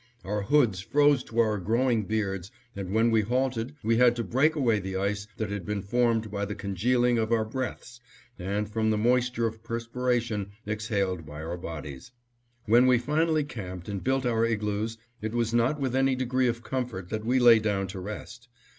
Our hoods froze to our growing beards and when we halted we had to break away the ice that had been formed by the congealing of our breaths and from the moisture of perspiration exhaled by our bodies. When we finally camped and built our igloos, it was not with any degree of comfort that we lay down to rest.